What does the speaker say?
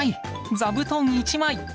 座布団１枚！